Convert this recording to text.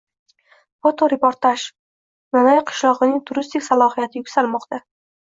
Fotoreportaj: Nanay qishlogʻining turistik salohiyati yuksalmoqda